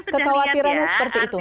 kekhawatirannya seperti itu